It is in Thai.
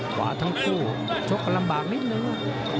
ขวาทั้งคู่ชกกันลำบากนิดนึง